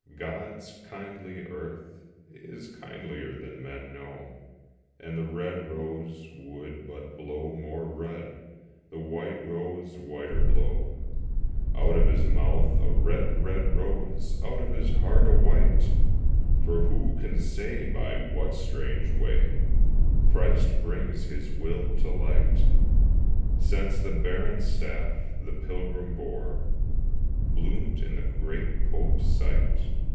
God's kindly earth Is kindlier than men know, And the red rose would but blow more red, The white rose whiter blow. Out of his mouth a red, red rose! Out of his heart a white! For who can say by what strange way, Christ brings His will to light, Since the barren staff the pilgrim bore Bloomed in the great Pope's sight?